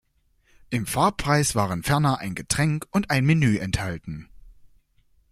Im Fahrpreis waren ferner ein Getränk und ein Menü enthalten.